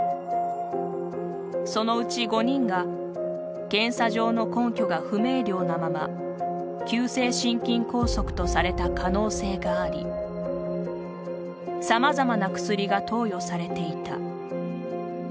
そのうち５人が、検査上の根拠が不明瞭なまま急性心筋梗塞とされた可能性がありさまざまな薬が投与されていた。